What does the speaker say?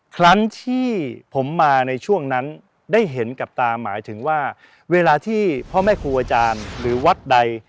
ครั้งที่ผมมาในช่วงนั้นได้เห็นกับตาหมายถึงว่าเวลาที่พ่อแม่ครูอาจารย์หรือวัดใด